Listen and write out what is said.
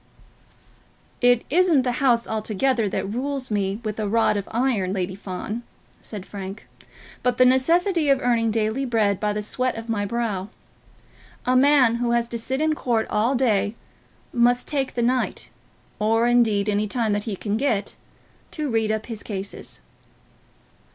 "It isn't the House altogether that rules me with a rod of iron, Lady Fawn," said Frank, "but the necessity of earning daily bread by the sweat of my brow. A man who has to sit in court all day must take the night, or, indeed, any time that he can get, to read up his cases."